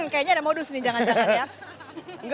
kayaknya ada modus nih jangan jangan ya